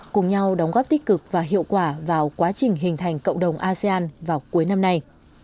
cùng nhau đóng góp tích cực và hiệu quả vào quá trình hình thành cộng đồng asean vào cuối năm nay